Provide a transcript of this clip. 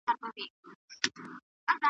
ژوندون نوم د حرکت دی هره ورځ چي سبا کیږي .